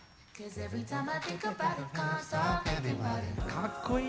かっこいい！